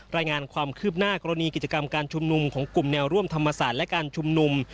รายงานความคืบหน้ากรณีกิจกรรมการชุมนุมของกลุ่มแนวร่วมธรรมศาสตร์และการชุมนุม